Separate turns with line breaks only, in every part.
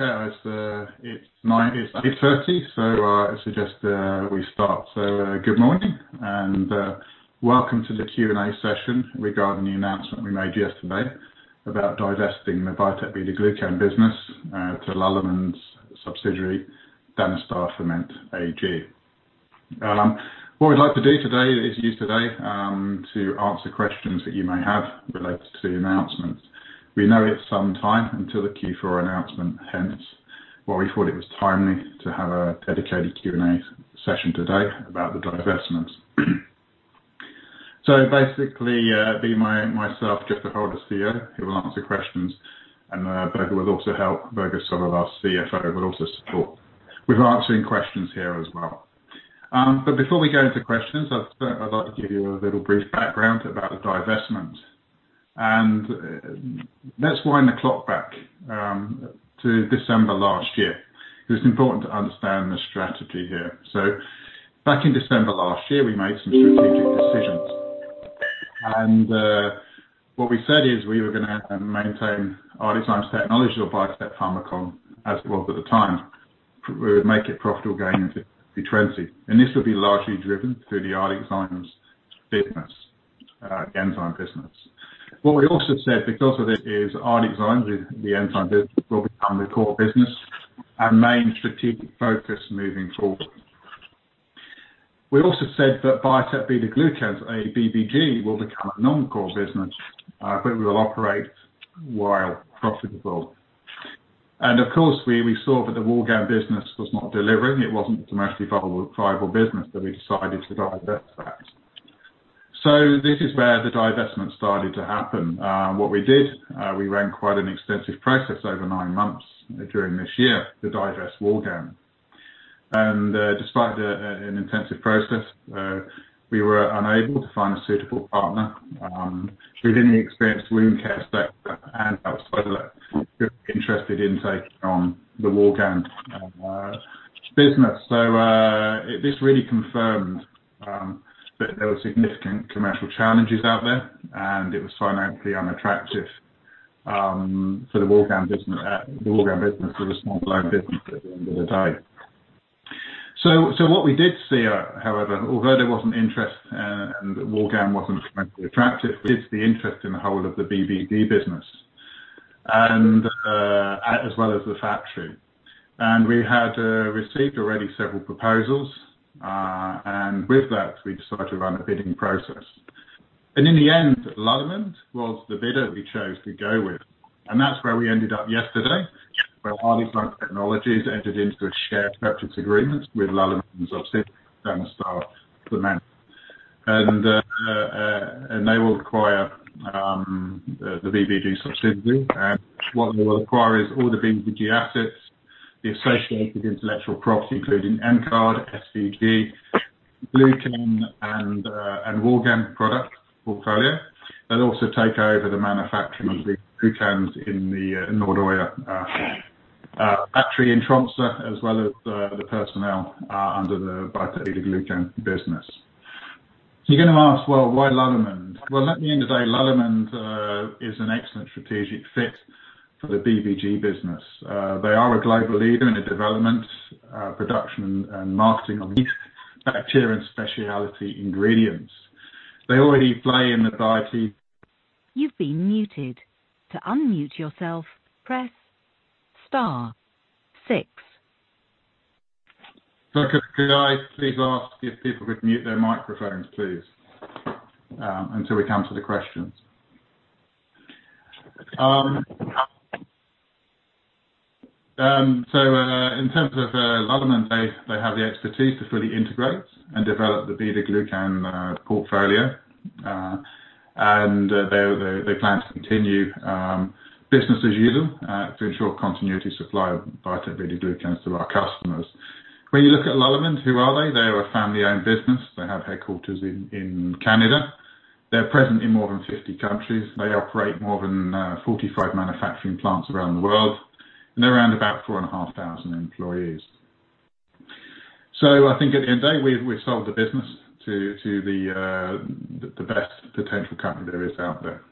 Okay, it's 8:30, so I suggest we start. Good morning and welcome to the Q&A session regarding the announcement we made yesterday about divesting the Biotec BetaGlucans business to Lallemand's subsidiary, Danstar Ferment AG. What we'd like to do today is use today to answer questions that you may have related to the announcement. We know it's some time until the Q4 announcement, hence why we thought it was timely to have a dedicated Q&A session today about the divestment. Basically, it'd be myself, Jethro Holter, CEO, who will answer questions, and Børge will also help. Børge Sørvoll, our CFO, will also support with answering questions here as well. Before we go into questions, I'd like to give you a little brief background about the divestment. Let's wind the clock back to December last year. It's important to understand the strategy here. Back in December last year, we made some strategic decisions. What we said is we were going to maintain ArcticZymes Technologies or Biotec Pharmacon, as it was at the time. We would make it profitable going into 2020. This would be largely driven through the ArcticZymes business, the enzyme business. What we also said, because of this, is ArcticZymes, the enzyme business, will become the core business and main strategic focus moving forward. We also said that Biotec BetaGlucans, or BBG, will become a non-core business, but we will operate while profitable. Of course, we saw that the Woulgan business was not delivering. It was not a commercially viable business, so we decided to divest that. This is where the divestment started to happen. What we did, we ran quite an extensive process over nine months during this year to divest Woulgan. Despite an intensive process, we were unable to find a suitable partner within the experienced wound care sector and outsiders who were interested in taking on the Woulgan business. This really confirmed that there were significant commercial challenges out there, and it was financially unattractive for the Woulgan business, the small-blown business at the end of the day. What we did see, however, although there was not interest and Woulgan was not commercially attractive, is the interest in the whole of the BBG business, as well as the factory. We had received already several proposals, and with that, we decided to run a bidding process. In the end, Lallemand was the bidder we chose to go with. That is where we ended up yesterday, where ArcticZymes Technologies entered into a share purchase agreement with Lallemand's subsidiary, Danstar Ferment. They will acquire the BBG subsidiary. What they will acquire is all the BBG assets, the associated intellectual property, including NCARD, SVG, glucan, and Woulgan product portfolio. They will also take over the manufacturing of the glucans in the Nordøya factory in Tromsø, as well as the personnel under the Biotec BetaGlucans business. You're going to ask, why Lallemand? At the end of the day, Lallemand is an excellent strategic fit for the BBG business. They are a global leader in the development, production, and marketing of these bacterial specialty ingredients. They already play in the biotech.
You've been muted. To unmute yourself, press star, six.
Børge, could I please ask if people could mute their microphones, please, until we come to the questions?
In terms of Lallemand's, they have the expertise to fully integrate and develop the beta-glucan portfolio. They plan to continue business as usual to ensure continuity supply of Biotec BetaGlucans to our customers. When you look at Lallemand's, who are they? They are a family-owned business. They have headquarters in Canada. They're present in more than 50 countries. They operate more than 45 manufacturing plants around the world. They're around about 4,500 employees. I think at the end of the day, we've sold the business to the best potential company there is out there.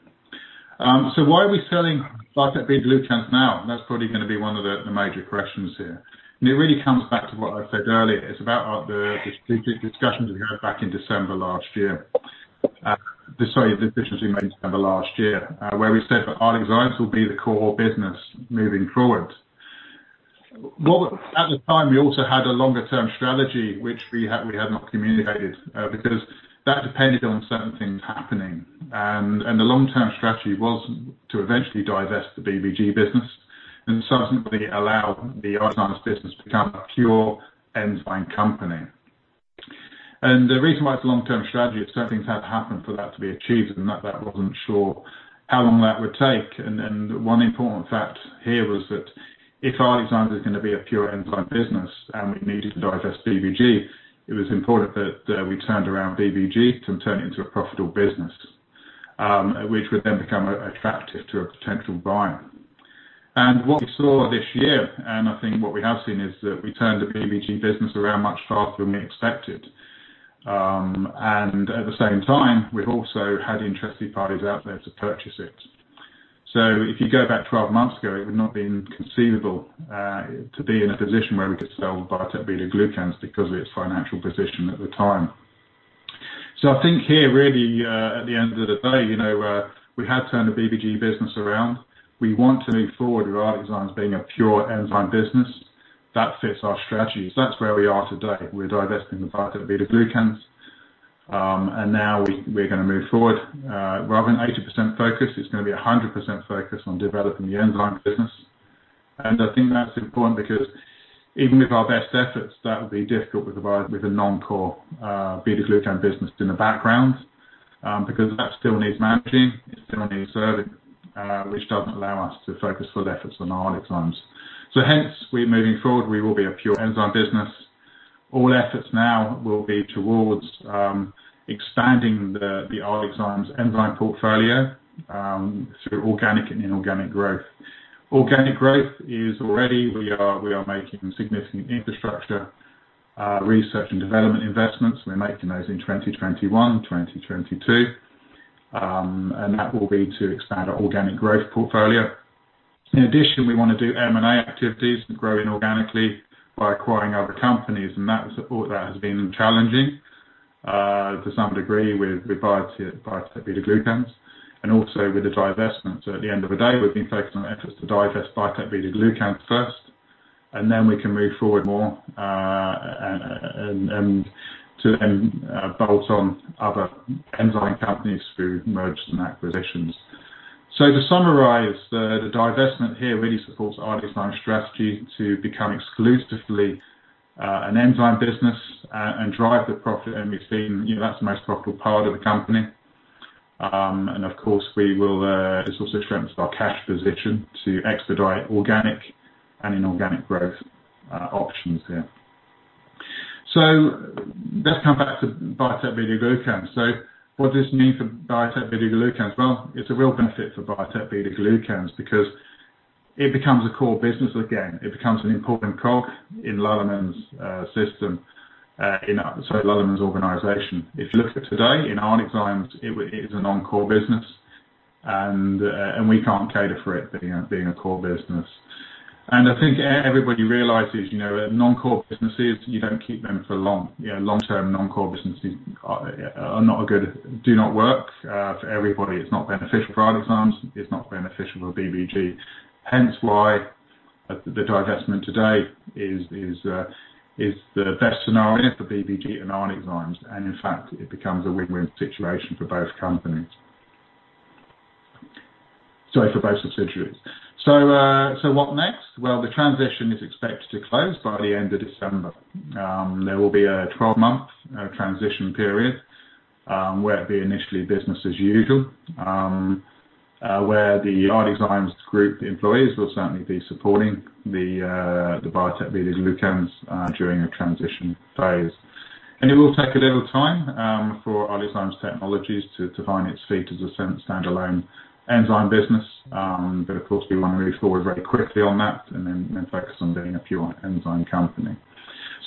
Why are we selling Biotec BetaGlucans now? That's probably going to be one of the major questions here. It really comes back to what I said earlier. It's about the strategic discussions we had back in December last year, the decisions we made in December last year, where we said that ArcticZymes will be the core business moving forward. At the time, we also had a longer-term strategy, which we had not communicated because that depended on certain things happening. The long-term strategy was to eventually divest the BBG business and subsequently allow the ArcticZymes business to become a pure enzyme company. The reason why it's a long-term strategy is certain things had to happen for that to be achieved, and that wasn't sure how long that would take. One important fact here was that if ArcticZymes AS going to be a pure enzyme business and we needed to divest BBG, it was important that we turned around BBG to turn it into a profitable business, which would then become attractive to a potential buyer. What we saw this year, and I think what we have seen, is that we turned the BBG business around much faster than we expected. At the same time, we've also had interested parties out there to purchase it. If you go back 12 months ago, it would not have been conceivable to be in a position where we could sell Biotec BetaGlucans because of its financial position at the time. I think here, really, at the end of the day, we had turned the BBG business around. We want to move forward with ArcticZymes being a pure enzyme business. That fits our strategy. That is where we are today. We are divesting the Biotec BetaGlucans. Now we are going to move forward. Rather than 80% focus, it is going to be 100% focus on developing the enzyme business. I think that is important because even with our best efforts, that would be difficult with a non-core beta-glucan business in the background because that still needs managing, it still needs serving, which does not allow us to focus full efforts on ArcticZymes. Hence, moving forward, we will be a pure enzyme business. All efforts now will be towards expanding the ArcticZymes enzyme portfolio through organic and inorganic growth. Organic growth is already we are making significant infrastructure research and development investments. We are making those in 2021, 2022. That will be to expand our organic growth portfolio. In addition, we want to do M&A activities and grow inorganically by acquiring other companies. That has been challenging to some degree with Biotec BetaGlucans. Also, with the divestment. At the end of the day, we've been focused on efforts to divest Biotec BetaGlucans first, and then we can move forward more and to then bolt on other enzyme companies through mergers and acquisitions. To summarize, the divestment here really supports ArcticZymes' strategy to become exclusively an enzyme business and drive the profit. We've seen that's the most profitable part of the company. Of course, it's also strengthened our cash position to expedite organic and inorganic growth options here. Let's come back to Biotec BetaGlucans. What does this mean for Biotec BetaGlucans? It's a real benefit for Biotec BetaGlucans because it becomes a core business again. It becomes an important cog in Lallemand's system, sorry, Lallemand's organisation. If you look at today, in ArcticZymes, it is a non-core business, and we can't cater for it being a core business. I think everybody realises non-core businesses, you don't keep them for long. Long-term non-core businesses do not work for everybody. It's not beneficial for ArcticZymes. It's not beneficial for BBG. Hence why the divestment today is the best scenario for BBG and ArcticZymes. In fact, it becomes a win-win situation for both companies, for both subsidiaries. What next? The transition is expected to close by the end of December. There will be a 12-month transition period where it'll be initially business as usual, where the ArcticZymes Group employees will certainly be supporting the Biotec BetaGlucans during a transition phase. It will take a little time for ArcticZymes Technologies to find its feet as a standalone enzyme business. Of course, we want to move forward very quickly on that and then focus on being a pure enzyme company.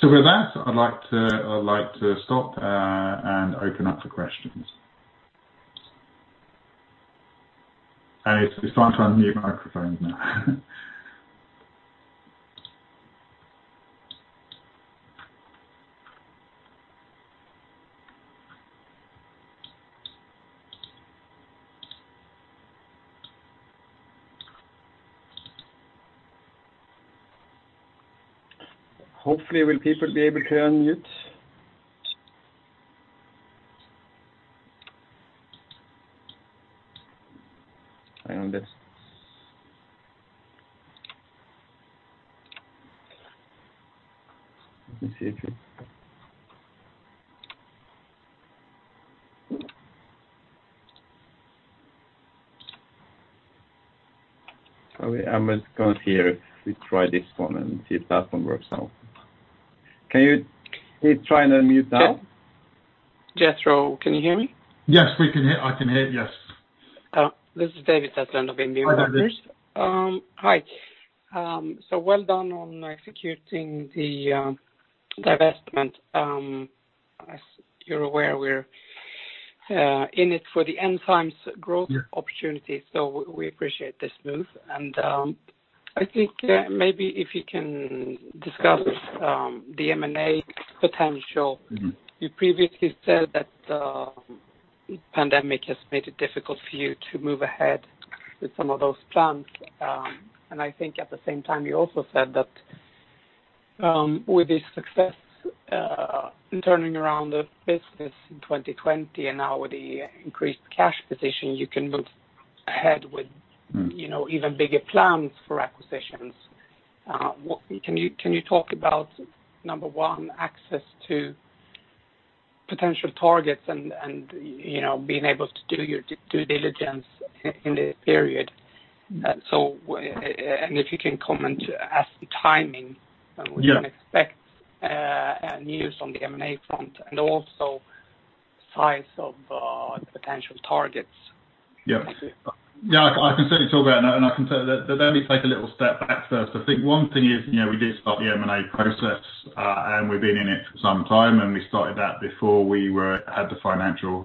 With that, I'd like to stop and open up for questions. It is time to unmute microphones now. Hopefully, people will be able to unmute. Hang on. Let me see if it—I'm going to try this one and see if that one works out. Can you try and unmute now?
Jethro, can you hear me?
Yes, I can hear you. Yes.
This is David Sutherland of NBM Research. Hi. Well done on executing the divestment. As you're aware, we're in it for the enzymes growth opportunity. We appreciate this move. I think maybe if you can discuss the M&A potential. You previously said that the pandemic has made it difficult for you to move ahead with some of those plans. I think at the same time, you also said that with this success turning around the business in 2020 and now with the increased cash position, you can move ahead with even bigger plans for acquisitions. Can you talk about, number one, access to potential targets and being able to do your due diligence in this period? If you can comment as to timing, what do you expect and news on the M&A front, and also size of potential targets?
Yeah. I can certainly talk about it. I can certainly—let me take a little step back first. I think one thing is we did start the M&A process, and we've been in it for some time. We started that before we had the financial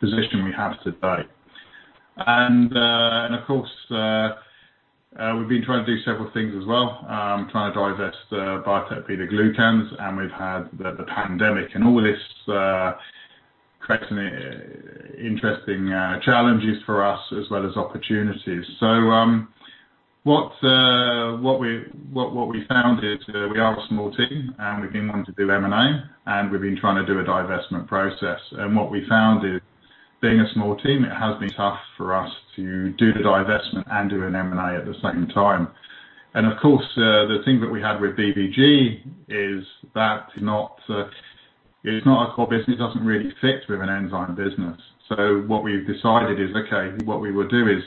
position we have today. Of course, we've been trying to do several things as well, trying to divest Biotec BetaGlucans. We've had the pandemic, and all this creates interesting challenges for us as well as opportunities. What we found is we are a small team, and we've been wanting to do M&A, and we've been trying to do a divestment process. What we found is, being a small team, it has been tough for us to do the divestment and do an M&A at the same time. Of course, the thing that we had with BBG is that it's not a core business. It doesn't really fit with an enzyme business. What we've decided is, okay, what we will do is,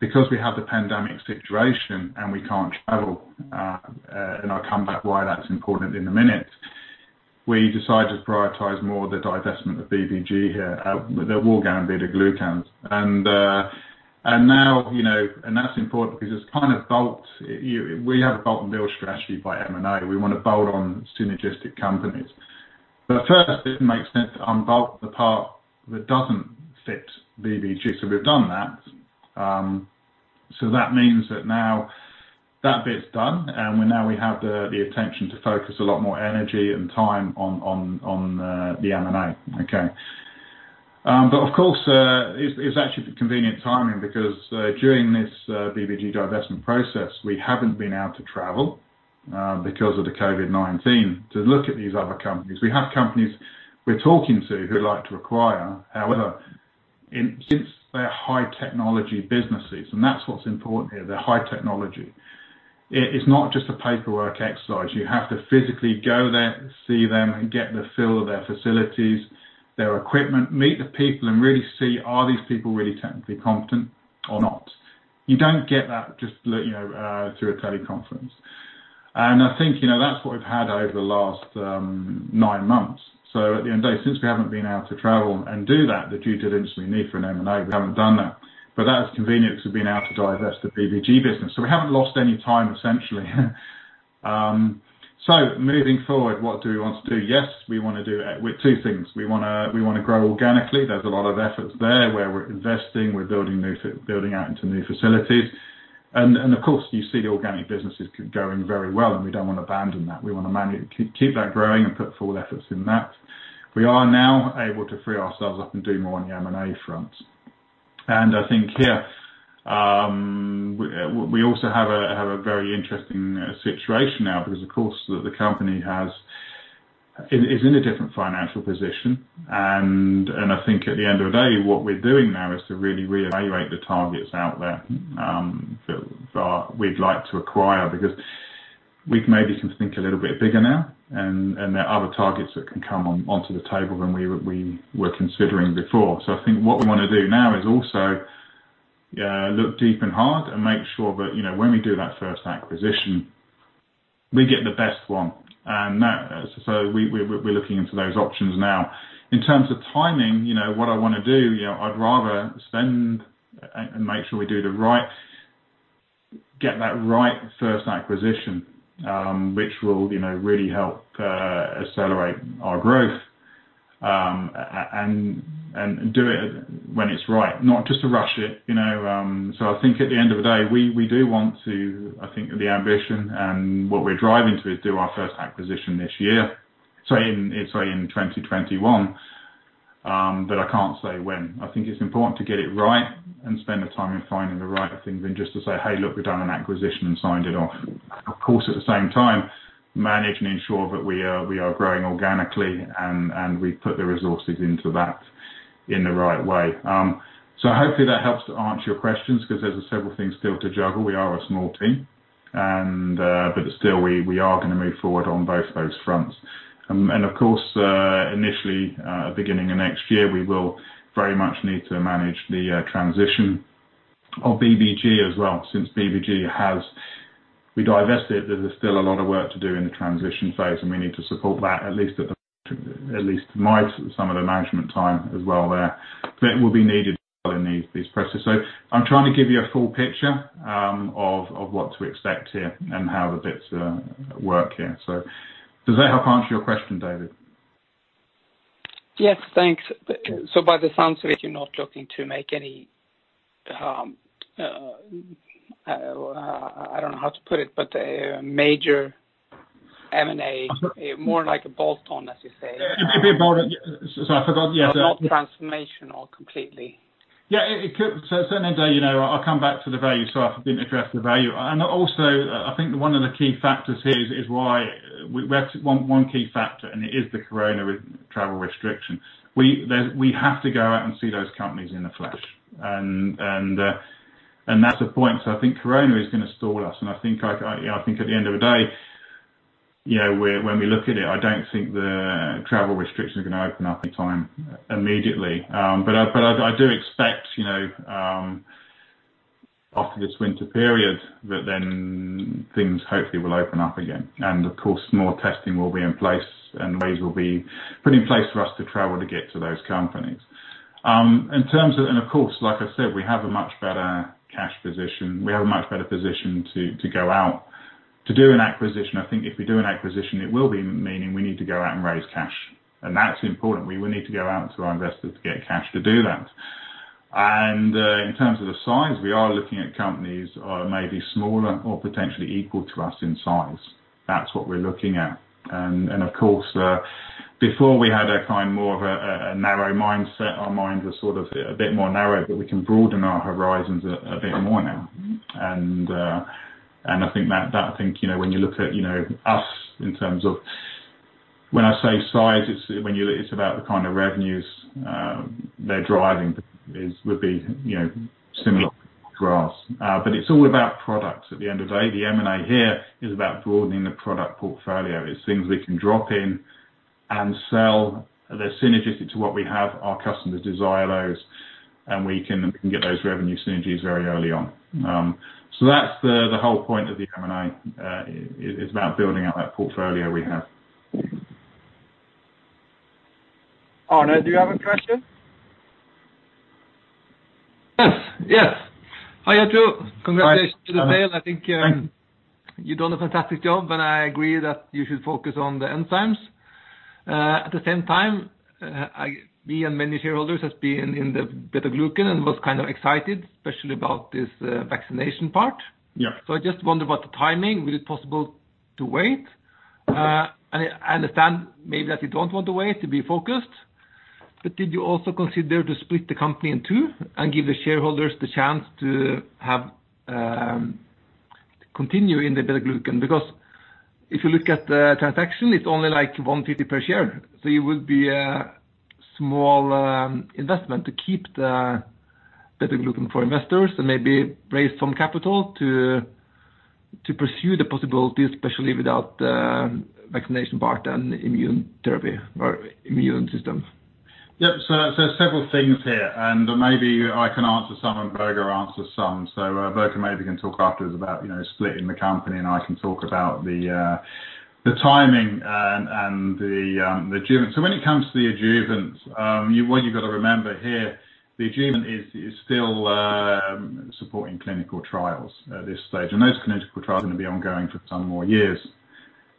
because we have the pandemic situation and we can't travel—and I'll come back to why that's important in a minute—we decided to prioritize more the divestment of BBG here, the Woulgan beta-glucans. Now, that's important because it's kind of bolt—we have a bolt-and-build strategy by M&A. We want to bolt on synergistic companies. First, it makes sense to unbolt the part that doesn't fit BBG. We've done that. That means that now that bit's done, and now we have the intention to focus a lot more energy and time on the M&A. Okay. Of course, it's actually convenient timing because during this BBG divestment process, we haven't been able to travel because of the COVID-19 to look at these other companies. We have companies we're talking to who'd like to acquire. However, since they're high-technology businesses, and that's what's important here, they're high-technology, it's not just a paperwork exercise. You have to physically go there, see them, get the feel of their facilities, their equipment, meet the people, and really see, are these people really technically competent or not? You don't get that just through a teleconference. I think that's what we've had over the last nine months. At the end of the day, since we haven't been able to travel and do that, the due diligence we need for an M&A, we haven't done that. That is convenient because we've been able to divest the BBG business. We haven't lost any time, essentially. Moving forward, what do we want to do? Yes, we want to do two things. We want to grow organically. There's a lot of efforts there where we're investing. We're building out into new facilities. Of course, you see the organic business is going very well, and we don't want to abandon that. We want to keep that growing and put full efforts in that. We are now able to free ourselves up and do more on the M&A front. I think here, we also have a very interesting situation now because, of course, the company is in a different financial position. I think at the end of the day, what we're doing now is to really reevaluate the targets out there that we'd like to acquire because we maybe can think a little bit bigger now. There are other targets that can come onto the table than we were considering before. I think what we want to do now is also look deep and hard and make sure that when we do that first acquisition, we get the best one. We are looking into those options now. In terms of timing, what I want to do, I'd rather spend and make sure we do the right get that right first acquisition, which will really help accelerate our growth and do it when it's right, not just to rush it. I think at the end of the day, we do want to, I think, the ambition and what we're driving to is do our first acquisition this year, sorry, in 2021. I can't say when. I think it's important to get it right and spend the time in finding the right things than just to say, "Hey, look, we've done an acquisition and signed it off." Of course, at the same time, manage and ensure that we are growing organically and we put the resources into that in the right way. Hopefully, that helps to answer your questions because there's several things still to juggle. We are a small team. Still, we are going to move forward on both those fronts. Of course, initially, at the beginning of next year, we will very much need to manage the transition of BBG as well. Since BBG has we divested, there's still a lot of work to do in the transition phase, and we need to support that, at least at my sum of the management time as well there. It will be needed in these processes. I'm trying to give you a full picture of what to expect here and how the bits work here. Does that help answer your question, David?
Yes, thanks. By the sounds of it, you're not looking to make any, I don't know how to put it, but a major M&A, more like a bolt-on, as you say.
A bit more of a—sorry, I forgot.
Not transformational completely.
Yeah, certainly, I'll come back to the value. I've addressed the value. I think one of the key factors here is why we have one key factor, and it is the Corona travel restriction. We have to go out and see those companies in the flesh. That is the point. I think Corona is going to stall us. I think at the end of the day, when we look at it, I don't think the travel restrictions are going to open up anytime immediately. I do expect after this winter period that things hopefully will open up again. Of course, more testing will be in place and ways will be put in place for us to travel to get to those companies. Like I said, we have a much better cash position. We have a much better position to go out to do an acquisition. I think if we do an acquisition, it will be meaning we need to go out and raise cash. That is important. We will need to go out to our investors to get cash to do that. In terms of the size, we are looking at companies maybe smaller or potentially equal to us in size. That is what we are looking at. Of course, before we had a kind of more of a narrow mindset, our minds are sort of a bit more narrow, but we can broaden our horizons a bit more now. I think that when you look at us in terms of when I say size, it is about the kind of revenues they are driving would be similar to ours. It is all about products at the end of the day. The M&A here is about broadening the product portfolio. It's things we can drop in and sell. They're synergistic to what we have. Our customers desire those, and we can get those revenue synergies very early on. That is the whole point of the M&A. It's about building out that portfolio we have.
Arne, do you have a question?
Yes. Hi, Jethro. Congratulations to the sale. I think you've done a fantastic job, and I agree that you should focus on the enzymes. At the same time, me and many shareholders have been in the beta-glucan and was kind of excited, especially about this vaccination part. I just wonder about the timing. Was it possible to wait? I understand maybe that you do not want to wait to be focused. Did you also consider to split the company in two and give the shareholders the chance to continue in the beta-glucan? If you look at the transaction, it is only like 150 per share. It would be a small investment to keep the beta-glucan for investors and maybe raise some capital to pursue the possibilities, especially with the vaccination part and immune therapy or immune system. Yep. Several things here. Maybe I can answer some and Børge answers some. Børge maybe can talk afterwards about splitting the company, and I can talk about the timing and the adjuvant. When it comes to the adjuvant, what you've got to remember here, the adjuvant is still supporting clinical trials at this stage. Those clinical trials are going to be ongoing for some more years.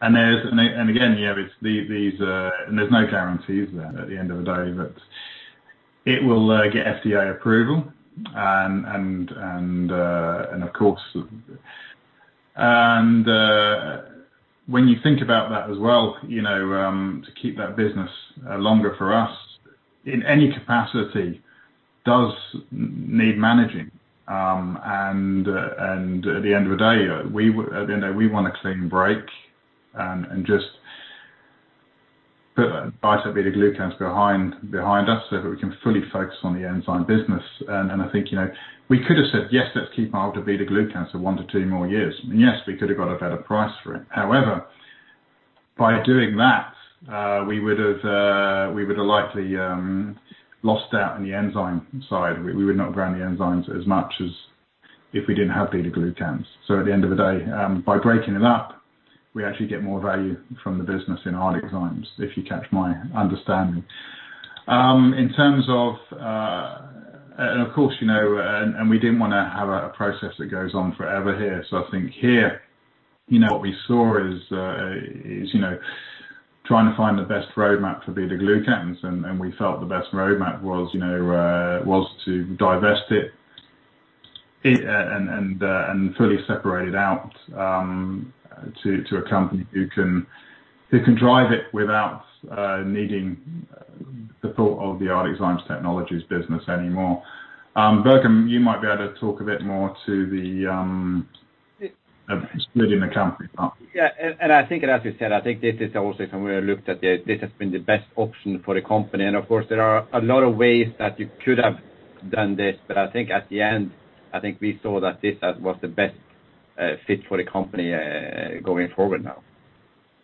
There are no guarantees there at the end of the day, but it will get FDA approval. Of course, when you think about that as well, to keep that business longer for us in any capacity does need managing. At the end of the day, we want a clean break and just put the beta-glucans behind us so that we can fully focus on the enzyme business. I think we could have said, "Yes, let's keep on with the beta-glucans for one to two more years." Yes, we could have got a better price for it. However, by doing that, we would have likely lost out on the enzyme side. We would not have grown the enzymes as much as if we didn't have beta-glucans. At the end of the day, by breaking it up, we actually get more value from the business in our enzymes, if you catch my understanding. In terms of, and of course, we didn't want to have a process that goes on forever here. I think here, what we saw is trying to find the best roadmap for beta-glucans. We felt the best roadmap was to divest it and fully separate it out to a company who can drive it without needing the thought of the ArcticZymes Technologies business anymore. Børge, you might be able to talk a bit more to the splitting the company part.
Yeah. I think, as you said, I think this is also somewhere looked at. This has been the best option for the company. Of course, there are a lot of ways that you could have done this. I think at the end, I think we saw that this was the best fit for the company going forward now.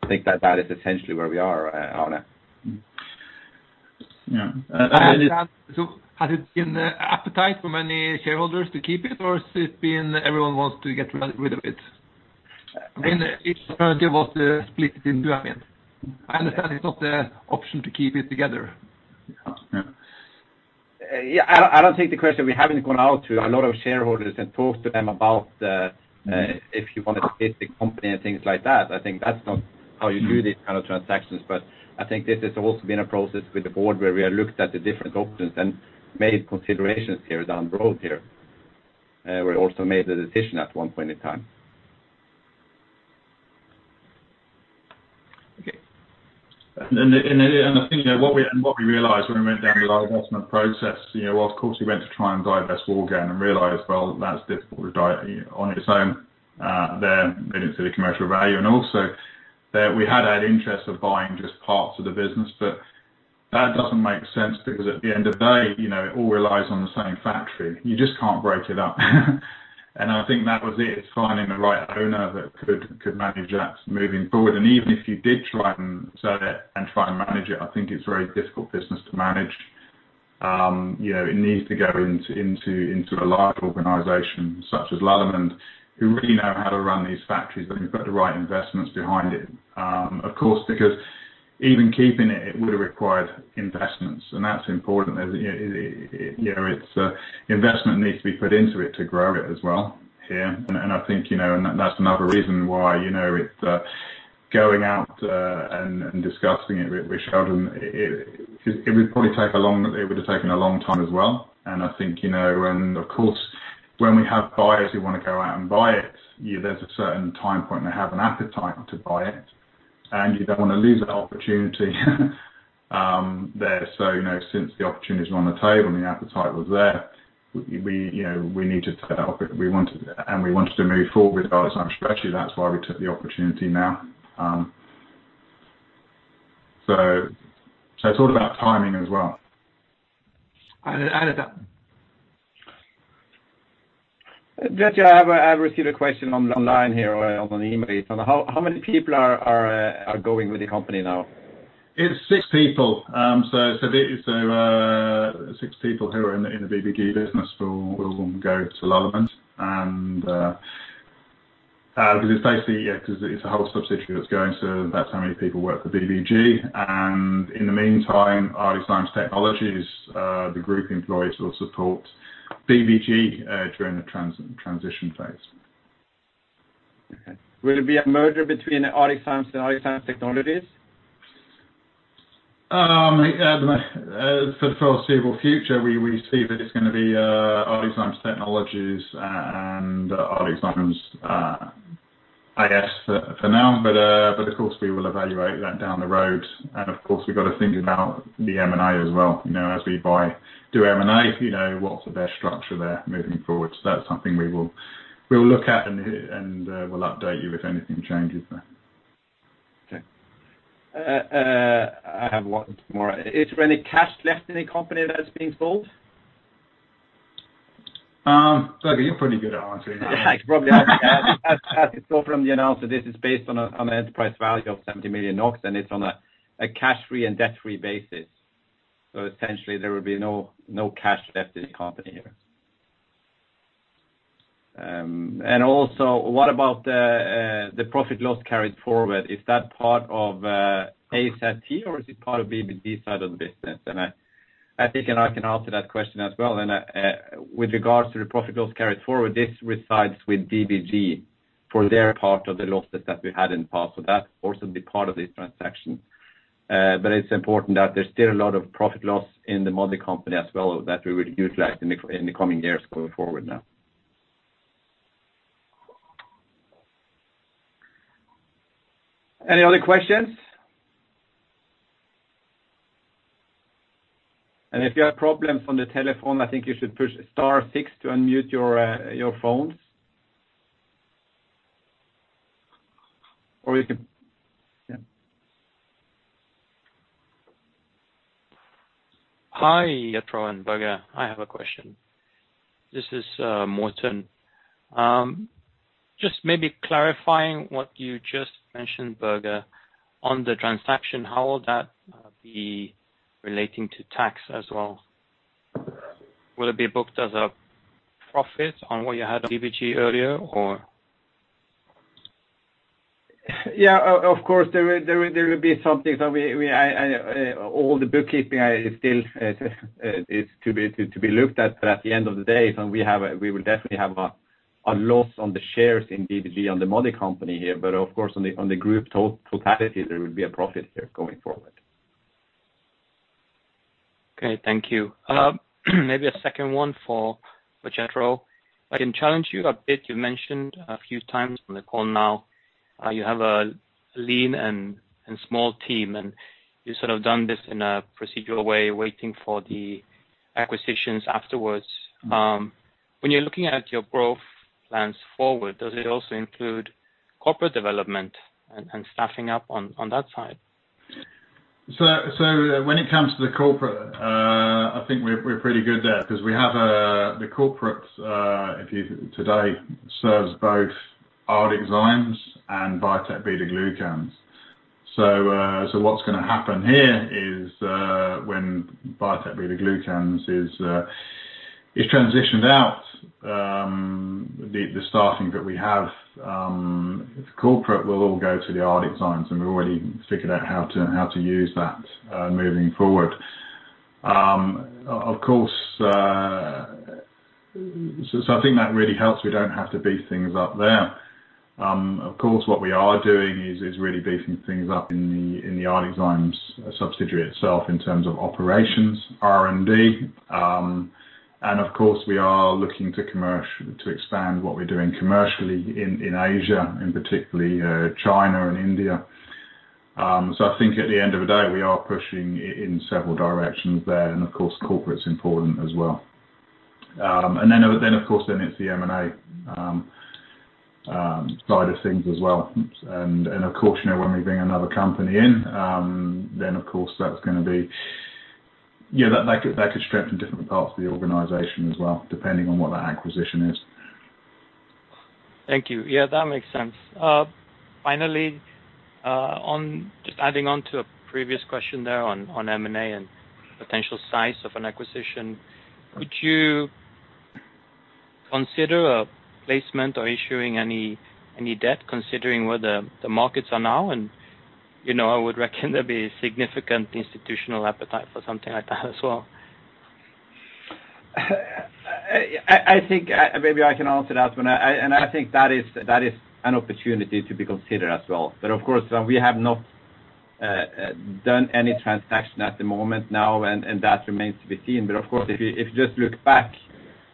I think that that is essentially where we are, Arne.
Yeah. Has it been the appetite for many shareholders to keep it, or has it been everyone wants to get rid of it? It was split in two. I mean, I understand it's not the option to keep it together.
Yeah. I don't think the question, we haven't gone out to a lot of shareholders and talked to them about if you want to split the company and things like that. I think that's not how you do these kind of transactions. I think this has also been a process with the board where we have looked at the different options and made considerations here down the road here. We also made the decision at one point in time.
Okay. I think what we realized when we went down the divestment process, of course, we went to try and divest Woulgan and realized that's difficult on its own. They are leading to the commercial value. Also, we had had interest of buying just parts of the business. That does not make sense because at the end of the day, it all relies on the same factory. You just cannot break it up. I think that was it, finding the right owner that could manage that moving forward. Even if you did try and sell it and try and manage it, I think it is a very difficult business to manage. It needs to go into a large organization such as Lallemand, who really know how to run these factories and have got the right investments behind it. Of course, because even keeping it, it would have required investments. That is important. Investment needs to be put into it to grow it as well here. I think that is another reason why going out and discussing it with shareholders, it would probably take a long, it would have taken a long time as well. I think, of course, when we have buyers who want to go out and buy it, there is a certain time point they have an appetite to buy it. You do not want to lose that opportunity there. Since the opportunity was on the table and the appetite was there, we need to take that opportunity. We wanted to move forward with our enzyme strategy. That is why we took the opportunity now. It is all about timing as well.
Jethro, I have received a question online here or on an email. How many people are going with the company now?
It's six people. Six people who are in the BBG business will go to Lallemand. Because it's basically, yeah, because it's a whole subsidiary that's going. That's how many people work for BBG. In the meantime, ArcticZymes Technologies, the group employees, will support BBG during the transition phase.
Okay. Will it be a merger between ArcticZymes and ArcticZymes Technologies?
For the foreseeable future, we see that it's going to be ArcticZymes Technologies and ArcticZymes AS for now. Of course, we will evaluate that down the road. Of course, we've got to think about the M&A as well. As we do M&A, what's the best structure there moving forward? That is something we will look at, and we'll update you if anything changes there.
Okay. I have one more. Is there any cash left in the company that's being sold?
Børge, you're pretty good at answering that.
Yeah, probably. As you saw from the announcement, this is based on an enterprise value of 70 million NOK, and it's on a cash-free and debt-free basis. Essentially, there will be no cash left in the company here. Also, what about the profit-loss carried forward? Is that part of AZT, or is it part of BBG side of the business? I think I can answer that question as well. With regards to the profit-loss carried forward, this resides with BBG for their part of the losses that we had in the past. That's also the part of this transaction. It's important that there's still a lot of profit-loss in the mother company as well that we would utilize in the coming years going forward now. Any other questions? If you have problems on the telephone, I think you should push star six to unmute your phones. Or you can. Yeah.
Hi, Jethro and Børge. I have a question. This is Morton. Just maybe clarifying what you just mentioned, Børge, on the transaction, how will that be relating to tax as well? Will it be booked as a profit on what you had on BBG earlier, or?
Yeah, of course, there will be some things that all the bookkeeping is still to be looked at. At the end of the day, we will definitely have a loss on the shares in BBG on the mother company here. Of course, on the group totality, there will be a profit here going forward.
Okay. Thank you. Maybe a second one for Jethro. I can challenge you a bit. You mentioned a few times on the call now you have a lean and small team, and you've sort of done this in a procedural way, waiting for the acquisitions afterwards. When you're looking at your growth plans forward, does it also include corporate development and staffing up on that side?
When it comes to the corporate, I think we're pretty good there because we have the corporate today serves both ArcticZymes and Biotec BetaGlucans. What's going to happen here is when Biotec BetaGlucans is transitioned out, the staffing that we have corporate will all go to ArcticZymes, and we've already figured out how to use that moving forward. I think that really helps. We don't have to beef things up there. What we are doing is really beefing things up in the ArcticZymes subsidiary itself in terms of operations, R&D. Of course, we are looking to expand what we're doing commercially in Asia, in particularly China and India. I think at the end of the day, we are pushing in several directions there. Corporate's important as well. Of course, then it's the M&A side of things as well. Of course, when we bring another company in, of course, that's going to be, yeah, that could strengthen different parts of the organisation as well, depending on what that acquisition is.
Thank you. Yeah, that makes sense. Finally, just adding on to a previous question there on M&A and potential size of an acquisition, would you consider placement or issuing any debt, considering where the markets are now? I would reckon there'd be a significant institutional appetite for something like that as well.
I think maybe I can answer that. I think that is an opportunity to be considered as well. Of course, we have not done any transaction at the moment now, and that remains to be seen. Of course, if you just look back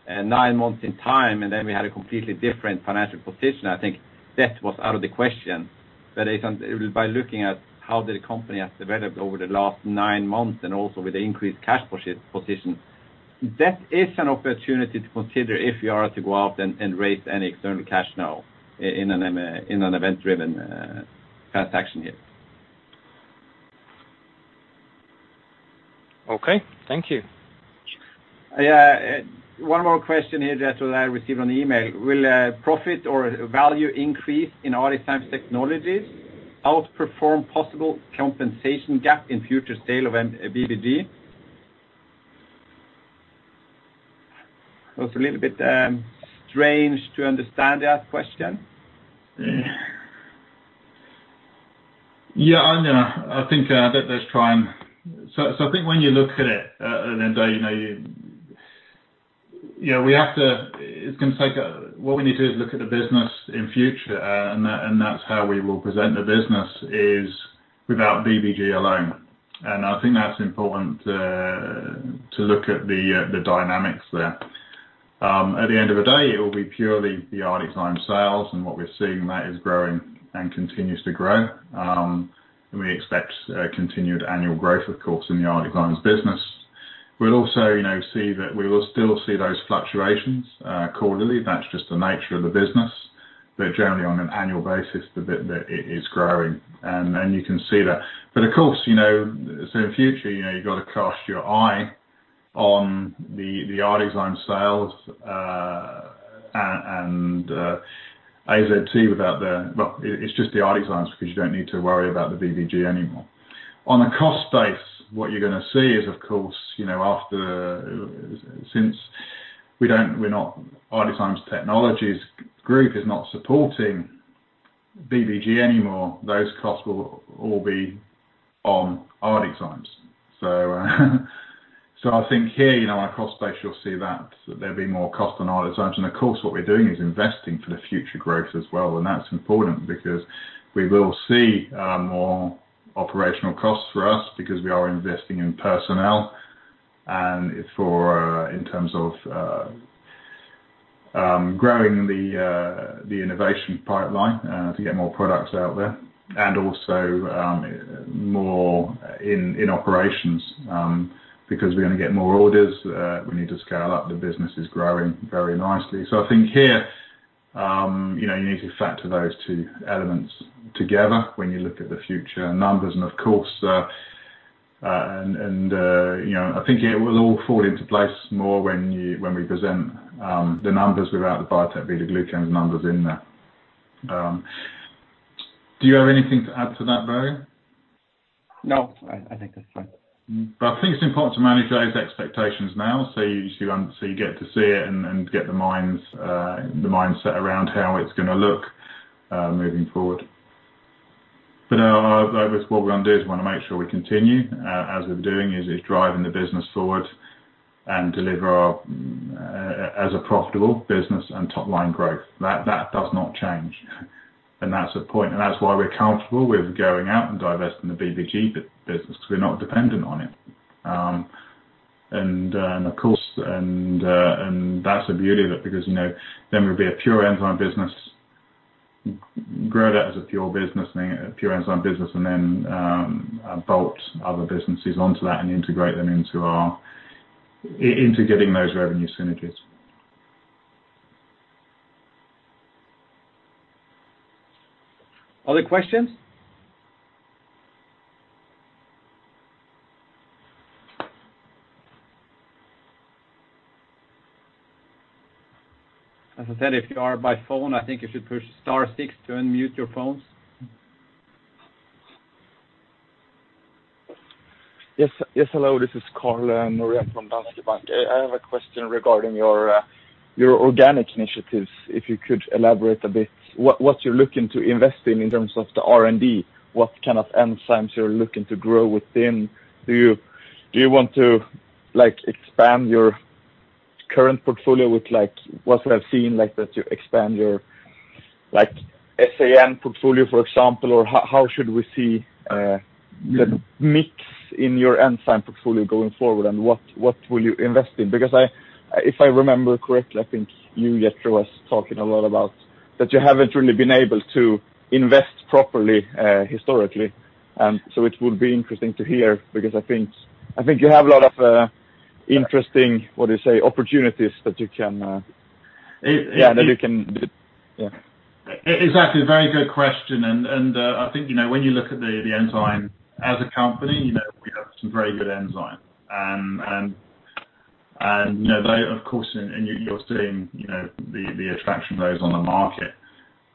nine months in time, and then we had a completely different financial position, I think debt was out of the question. By looking at how the company has developed over the last nine months and also with the increased cash position, debt is an opportunity to consider if you are to go out and raise any external cash now in an event-driven transaction here.
Okay. Thank you.
Yeah. One more question here, Jethro, that I received on email. Will profit or value increase in ArcticZymes Technologies outperform possible compensation gap in future sale of BBG? That's a little bit strange to understand that question.
Yeah, I think let's try and, so I think when you look at it, then yeah, we have to, it's going to take, what we need to do is look at the business in future. That's how we will present the business, is without BBG alone. I think that's important to look at the dynamics there. At the end of the day, it will be purely the ArcticZymes sales. What we're seeing, that is growing and continues to grow. We expect continued annual growth, of course, in the ArcticZymes business. We'll also see that we will still see those fluctuations quarterly. That's just the nature of the business. Generally, on an annual basis, the bit that it is growing. You can see that. Of course, in future, you've got to cast your eye on the ArcticZymes sales and AZT without their, well, it's just the ArcticZymes because you don't need to worry about the BBG anymore. On a cost base, what you're going to see is, of course, since ArcticZymes Technologies Group is not supporting BBG anymore, those costs will all be on ArcticZymes. I think here, on a cost base, you'll see that there'll be more cost on ArcticZymes. Of course, what we're doing is investing for the future growth as well. That's important because we will see more operational costs for us because we are investing in personnel and in terms of growing the innovation pipeline to get more products out there. Also, more in operations because we're going to get more orders. We need to scale up. The business is growing very nicely. I think here, you need to factor those two elements together when you look at the future numbers. Of course, I think it will all fall into place more when we present the numbers without the Biotec BetaGlucans numbers in there. Do you have anything to add to that, Børge?
No. I think that's fine.
I think it's important to manage those expectations now. You get to see it and get the mindset around how it's going to look moving forward. What we're going to do is we're going to make sure we continue as we're doing, driving the business forward and deliver as a profitable business and top-line growth. That does not change. That's a point. That's why we're comfortable with going out and divesting the BBG business because we're not dependent on it. Of course, that's the beauty of it because then we'll be a pure enzyme business, grow that as a pure enzyme business, and then bolt other businesses onto that and integrate them into getting those revenue synergies.
Other questions? As I said, if you are by phone, I think you should push star six to unmute your phones.
Yes. Yes, hello. This is Carl and Maria from Danske Bank. I have a question regarding your organic initiatives, if you could elaborate a bit. What you're looking to invest in in terms of the R&D, what kind of enzymes you're looking to grow within? Do you want to expand your current portfolio with what we have seen, like that you expand your SAN portfolio, for example? How should we see the mix in your enzyme portfolio going forward, and what will you invest in? Because if I remember correctly, I think you, Jethro, was talking a lot about that you haven't really been able to invest properly historically. It would be interesting to hear because I think you have a lot of interesting, what do you say, opportunities that you can, yeah, that you can, yeah.
Exactly. Very good question. I think when you look at the enzyme as a company, we have some very good enzymes. Of course, you're seeing the attraction of those on the market.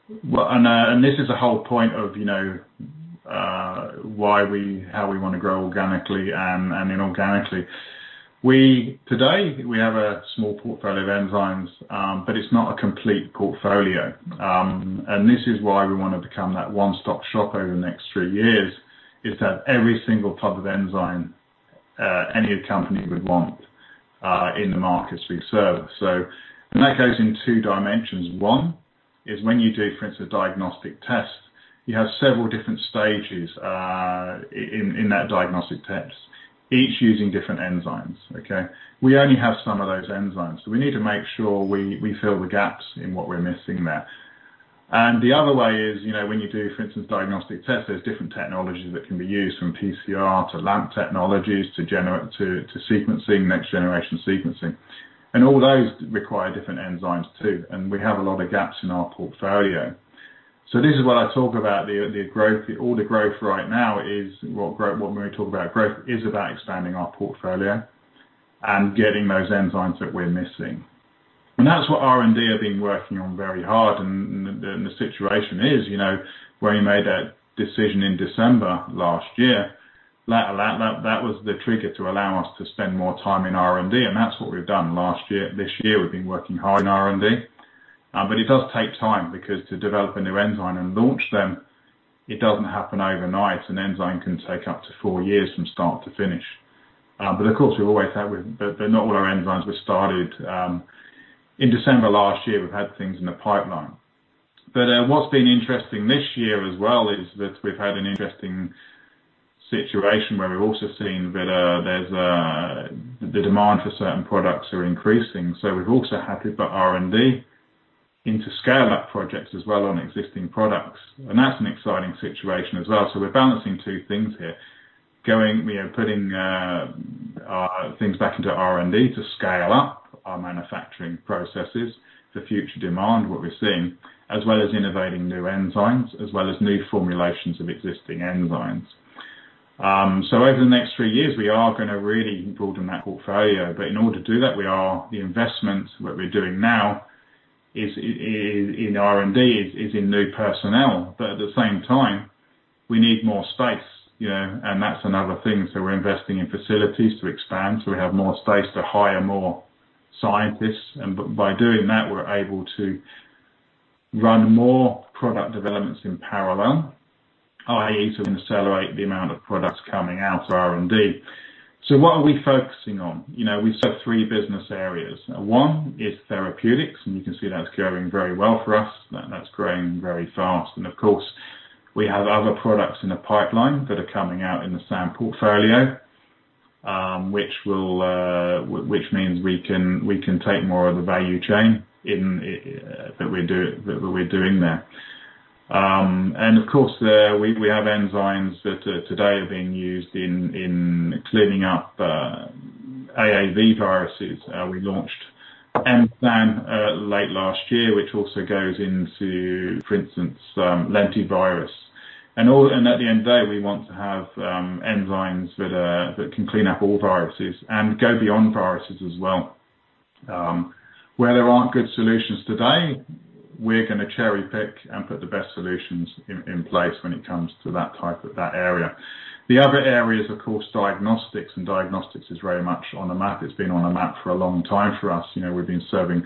This is the whole point of how we want to grow organically and inorganically. Today, we have a small portfolio of enzymes, but it's not a complete portfolio. This is why we want to become that one-stop shop over the next three years, so that every single type of enzyme any company would want in the markets we serve. That goes in two dimensions. One is when you do, for instance, a diagnostic test, you have several different stages in that diagnostic test, each using different enzymes. Okay? We only have some of those enzymes. We need to make sure we fill the gaps in what we're missing there. The other way is when you do, for instance, diagnostic tests, there are different technologies that can be used from PCR to LAMP technologies to sequencing, next-generation sequencing. All those require different enzymes too. We have a lot of gaps in our portfolio. This is what I talk about. All the growth right now is what we talk about. Growth is about expanding our portfolio and getting those enzymes that we're missing. That is what R&D have been working on very hard. The situation is when we made that decision in December last year, that was the trigger to allow us to spend more time in R&D. That is what we've done last year. This year, we've been working hard in R&D. It does take time because to develop a new enzyme and launch them, it does not happen overnight. An enzyme can take up to four years from start to finish. Of course, we've always had, but not all our enzymes were started in December last year. We've had things in the pipeline. What's been interesting this year as well is that we've had an interesting situation where we've also seen that the demand for certain products are increasing. We've also had to put R&D into scale-up projects as well on existing products. That's an exciting situation as well. We're balancing two things here, putting things back into R&D to scale up our manufacturing processes for future demand, what we're seeing, as well as innovating new enzymes, as well as new formulations of existing enzymes. Over the next three years, we are going to really broaden that portfolio. In order to do that, the investment that we're doing now in R&D is in new personnel. At the same time, we need more space. That's another thing. We're investing in facilities to expand so we have more space to hire more scientists. By doing that, we're able to run more product developments in parallel, i.e., can accelerate the amount of products coming out of R&D. What are we focusing on? We have three business areas. One is therapeutics. You can see that's growing very well for us. That's growing very fast. Of course, we have other products in the pipeline that are coming out in the SAN portfolio, which means we can take more of the value chain that we're doing there. Of course, we have enzymes that today are being used in cleaning up AAV viruses. We launched mSAN late last year, which also goes into, for instance, lentivirus. At the end of the day, we want to have enzymes that can clean up all viruses and go beyond viruses as well. Where there are not good solutions today, we are going to cherry-pick and put the best solutions in place when it comes to that type of that area. The other area is, of course, diagnostics. Diagnostics is very much on the map. It has been on the map for a long time for us. We have been serving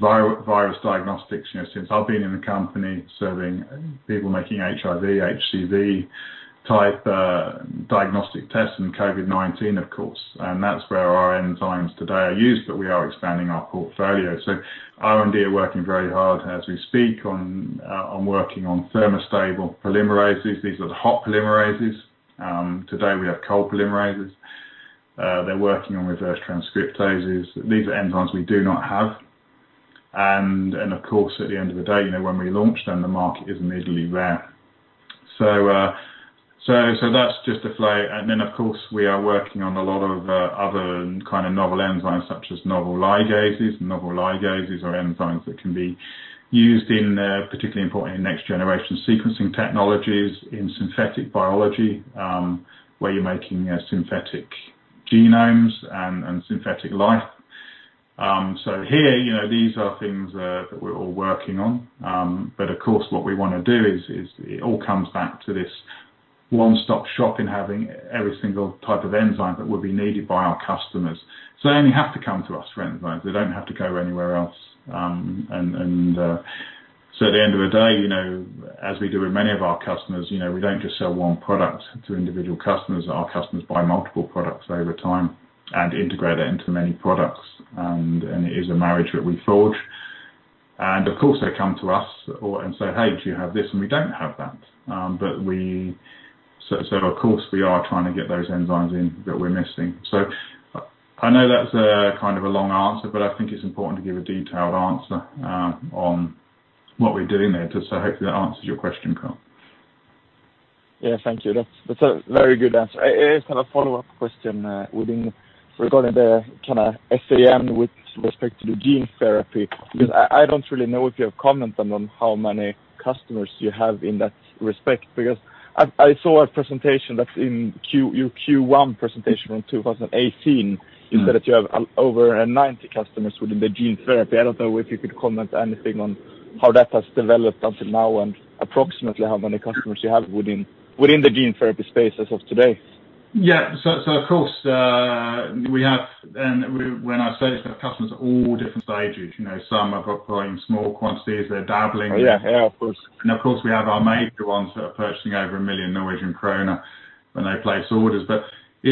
virus diagnostics since I have been in the company, serving people making HIV, HCV-type diagnostic tests and COVID-19, of course. That is where our enzymes today are used. We are expanding our portfolio. R&D are working very hard as we speak on working on thermostable polymerases. These are the hot polymerases. Today, we have cold polymerases. They're working on reverse transcriptases. These are enzymes we do not have. Of course, at the end of the day, when we launch them, the market isn't easily there. That's just a flow. We are working on a lot of other kind of novel enzymes, such as novel ligases. Novel ligases are enzymes that can be used in, particularly importantly, next-generation sequencing technologies in synthetic biology, where you're making synthetic genomes and synthetic life. These are things that we're all working on. What we want to do is it all comes back to this one-stop shop in having every single type of enzyme that will be needed by our customers. They only have to come to us for enzymes. They don't have to go anywhere else. At the end of the day, as we do with many of our customers, we do not just sell one product to individual customers. Our customers buy multiple products over time and integrate it into many products. It is a marriage that we forge. Of course, they come to us and say, "Hey, do you have this?" and we do not have that. Of course, we are trying to get those enzymes in that we are missing. I know that is kind of a long answer, but I think it is important to give a detailed answer on what we are doing there. Hopefully, that answers your question, Carl.
Yeah. Thank you. That's a very good answer. It is kind of a follow-up question regarding the kind of SAN with respect to the gene therapy. Because I don't really know if you have commented on how many customers you have in that respect. Because I saw a presentation that's in your Q1 presentation from 2018. You said that you have over 90 customers within the gene therapy. I don't know if you could comment anything on how that has developed until now and approximately how many customers you have within the gene therapy space as of today.
Yeah. Of course, we have, when I say customers, all different stages. Some are buying small quantities. They're dabbling.
Oh, yeah. Yeah, of course.
Of course, we have our major ones that are purchasing over 1 million Norwegian krone when they place orders. It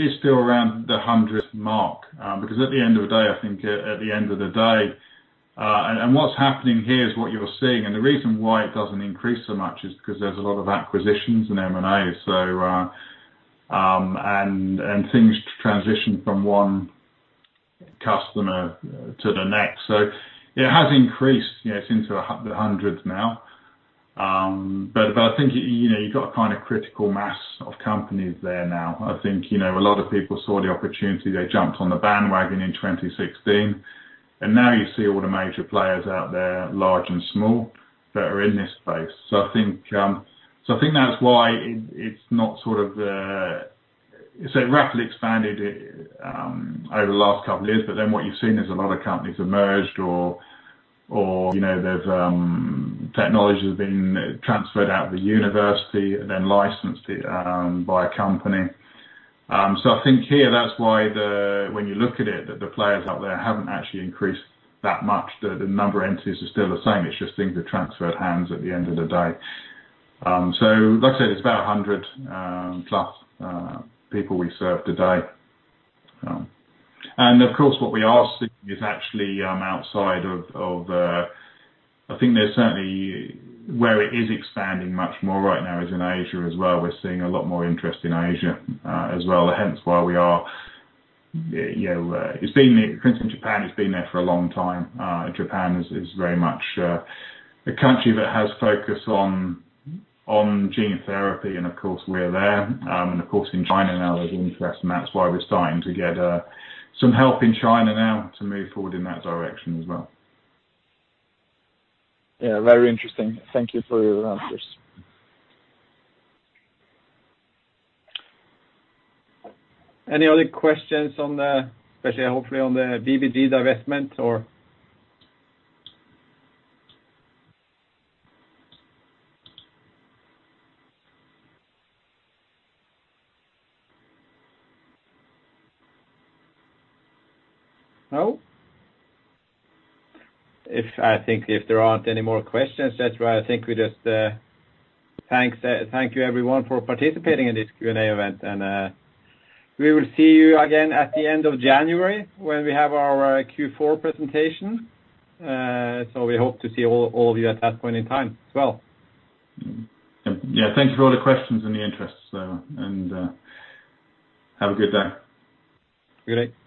is still around the 100 mark. At the end of the day, I think at the end of the day, what is happening here is what you are seeing. The reason why it does not increase so much is because there is a lot of acquisitions and M&As and things transition from one customer to the next. It has increased. It is into the hundreds now. I think you have got a kind of critical mass of companies there now. I think a lot of people saw the opportunity. They jumped on the bandwagon in 2016. Now you see all the major players out there, large and small, that are in this space. I think that's why it's not sort of it's rapidly expanded over the last couple of years. What you've seen is a lot of companies have merged or there's technologies have been transferred out of the university and then licensed by a company. I think here, that's why when you look at it, the players out there haven't actually increased that much. The number of entities is still the same. It's just things have transferred hands at the end of the day. Like I said, it's about 100-plus people we serve today. Of course, what we are seeing is actually outside of I think there's certainly where it is expanding much more right now is in Asia as well. We're seeing a lot more interest in Asia as well. Hence why we are it's been Japan has been there for a long time. Japan is very much a country that has focus on gene therapy. Of course, we're there. Of course, in China now, there's interest. That's why we're starting to get some help in China now to move forward in that direction as well.
Yeah. Very interesting. Thank you for your answers. Any other questions on the, especially hopefully on the BBG divestment or? No? I think if there aren't any more questions, that's why I think we just thank you, everyone, for participating in this Q&A event. We will see you again at the end of January when we have our Q4 presentation. We hope to see all of you at that point in time as well.
Thank you for all the questions and the interests. Have a good day.
Good day.